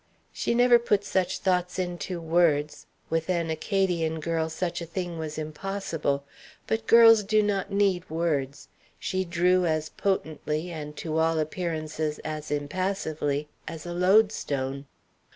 She never put such thoughts into words. With an Acadian girl such a thing was impossible But girls do not need words. She drew as potently, and to all appearances as impassively, as a loadstone.